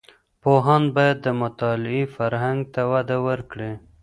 پوهاند باید د مطالعې فرهنګ ته وده ورکړي.